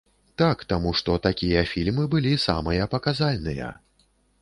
Так, таму што такія фільмы былі самыя паказальныя.